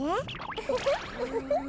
ウフフウフフ。